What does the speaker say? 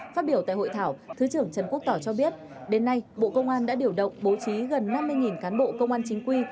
phát biểu tại hội thảo thứ trưởng trần quốc tỏ cho biết đến nay bộ công an đã điều động bố trí gần năm mươi cán bộ công an chính quy